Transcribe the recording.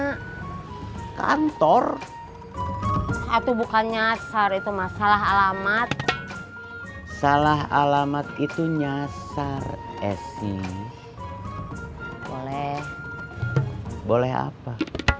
kesana mana kantor atau bukan nyasar itu masalah alamat salah alamat itu nyasar esi boleh boleh apa